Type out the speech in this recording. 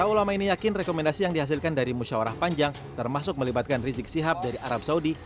para ulama ini yakin rekomendasi yang dihasilkan dari musyawarah panjang termasuk melibatkan rizik sihab dari arab saudi